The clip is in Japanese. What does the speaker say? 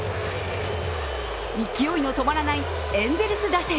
勢いの止まらないエンゼルス打線。